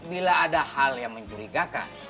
bila ada hal yang mencurigakan